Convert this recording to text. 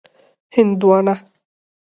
🍉 هندوانه